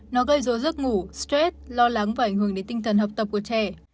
nó gây dối giấc ngủ stress lo lắng và ảnh hưởng đến tinh thần học tập của trẻ